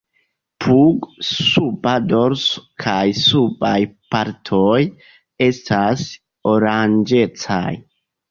Pugo, suba dorso kaj subaj partoj estas oranĝecaj.